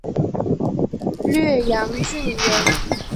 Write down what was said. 略阳郡人。